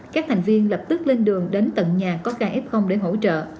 các thành viên lập tức lên đường đến tận nhà có ca f để hỗ trợ